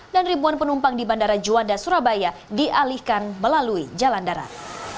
dan ribuan penumpang di bandara juanda surabaya dialihkan melalui jalan darat